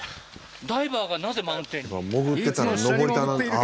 ダイバーがなぜマウンテンに？